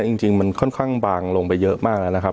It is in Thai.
จริงมันค่อนข้างบางลงไปเยอะมากแล้วนะครับ